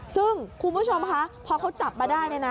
ซึ่งคุณผู้ชมคะพอเขาจับมาได้